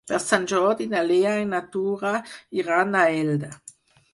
Per Sant Jordi na Lea i na Tura iran a Elda.